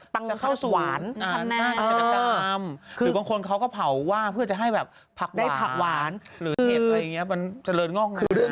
จะเข้าสู่นานอันดับกรามหรือบางคนเขาก็เผาว่าเพื่อจะให้แบบผักหวานหรือเทศอะไรอย่างนี้มันเฉลินน่องนั้น